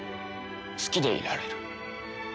好きでいられる。